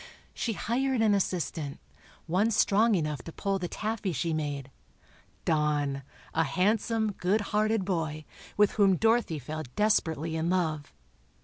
She hired an assistant—one strong enough to pull the taffy she made—Don, a handsome, good hearted boy, with whom Dorothy fell desperately in love.